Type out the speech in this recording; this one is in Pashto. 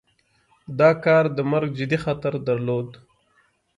دا کار د مرګ جدي خطر درلود.